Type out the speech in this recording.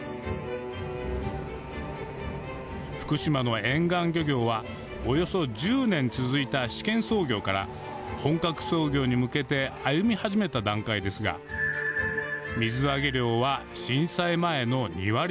福島の沿岸漁業はおよそ１０年続いた試験操業から本格操業に向けて歩み始めた段階ですが水揚げ量は震災前の２割程。